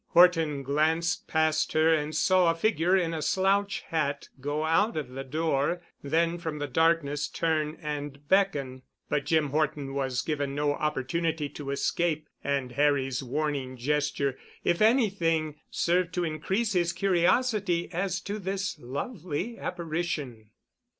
Horton glanced past her and saw a figure in a slouch hat go out of the door, then from the darkness turn and beckon. But Jim Horton was given no opportunity to escape and Harry's warning gesture, if anything, served to increase his curiosity as to this lovely apparition.